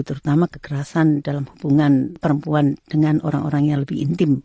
terutama kekerasan dalam hubungan perempuan dengan orang orang yang lebih intim